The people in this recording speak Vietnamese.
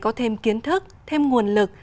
có thêm kiến thức thêm nguồn lực